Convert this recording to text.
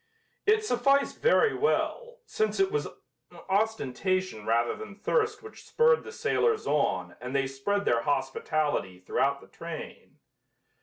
It sufficed very well, since it was ostentation rather than thirst which spurred the sailors on and they spread their hospitality throughout the train.